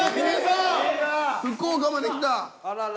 福岡まで来た。